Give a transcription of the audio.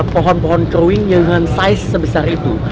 pohon pohon keruing dengan ukuran sebesar itu